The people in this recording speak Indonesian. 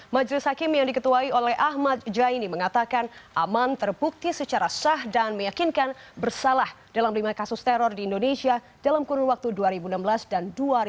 majelis hakim yang diketuai oleh ahmad jaini mengatakan aman terbukti secara sah dan meyakinkan bersalah dalam lima kasus teror di indonesia dalam kurun waktu dua ribu enam belas dan dua ribu sembilan belas